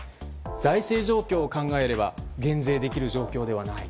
財政状況を考えれば減税できる状況ではない。